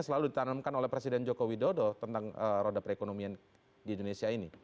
selalu ditanamkan oleh presiden joko widodo tentang roda perekonomian di indonesia ini